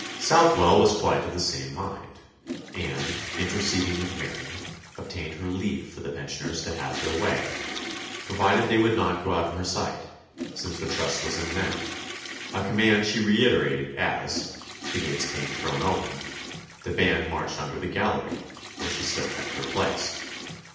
Southwell was quite of the same mind; and, interceding with Mary, obtained her leave for the pensioners to have their way, provided they would not go out of her sight, since her trust was in them a command she reiterated as, the gates being thrown open, the band marched under the gallery, where she still kept her place.